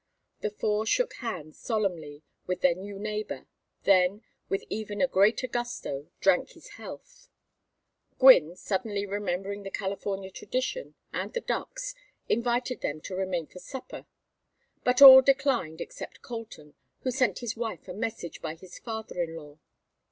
The four shook hands solemnly with their new neighbor, then, with even a greater gusto, drank his health. Gwynne suddenly remembering the California tradition, and the ducks, invited them to remain for supper; but all declined except Colton, who sent his wife a message by his father in law.